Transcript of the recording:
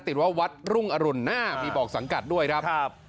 ติดว่าวัดรุ่งอรุณหน้ามีบอกสังกัดด้วยครับ